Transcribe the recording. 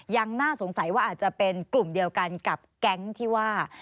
ยังน่าสงสัยว่าอาจจะเป็นกลุ่มเดียวกันกับแก๊งที่ว่า